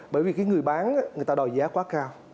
bởi vì cái người bán người ta đòi giá quá cao